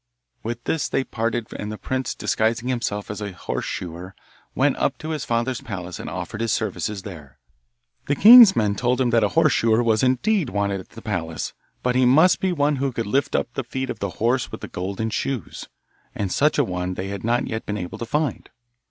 With this they parted and the prince, disguising himself as a horse shoer, went up to his father's palace and offered his services there. The king's men told him that a horse shoer was indeed wanted at the palace, but he must be one who could lift up the feet of the horse with the golden shoes, and such a one they had not yet been able to find.